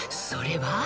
［それは］